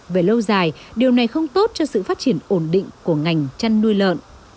về lâu dài điều này không tốt cho sự phát triển ổn định của ngành chăn nuôi lợn